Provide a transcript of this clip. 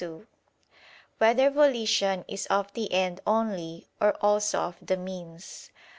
2] Whether Volition Is of the End Only, or Also of the Means?